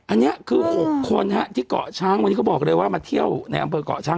อันนี้คือ๖คนที่เกาะช้างวันนี้เขาบอกเลยว่ามาเที่ยวในอำเภอกเกาะช้าง